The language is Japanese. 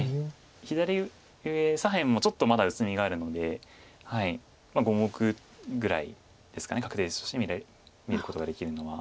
左上左辺もちょっとまだ薄みがあるので５目ぐらいですか確定地として見ることができるのは。